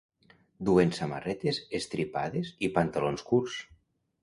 Duen samarretes estripades i pantalons curts.